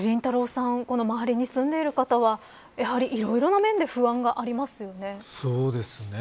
さん周りに住んでいる方はいろいろな面で不安がありますよね。